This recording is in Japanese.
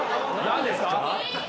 何ですか？